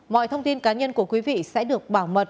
mọi thông tin cá nhân của quý vị sẽ được bảo mật